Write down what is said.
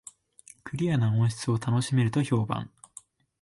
クリアな音質を楽しめると評判